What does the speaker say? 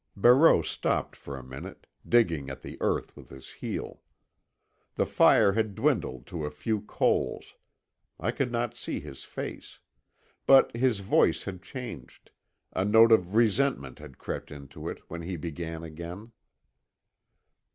Barreau stopped for a minute, digging at the earth with his heel. The fire had dwindled to a few coals. I could not see his face. But his voice had changed, a note of resentment had crept into it, when he began again.